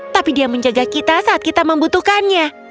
tapi dia menjaga kita saat kita membutuhkannya